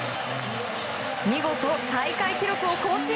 見事、大会記録を更新！